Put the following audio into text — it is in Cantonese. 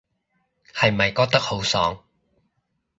係咪覺得好爽